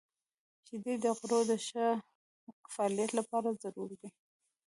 • شیدې د غړو د ښه فعالیت لپاره ضروري دي.